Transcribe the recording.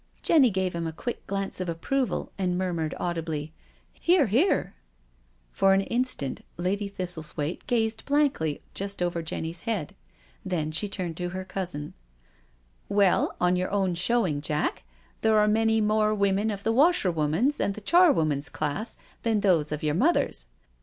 Jenny gave him a quick glance of approval and mur mured audibly: "Hear, hear I" For an instant Lady Thistlethwaite gazed blankly just over Jenny's head, then she turned to her cousin: " Well, on your own showing, Jack, there are many more women of the washerwoman's and the char woman's class than those of your mother's.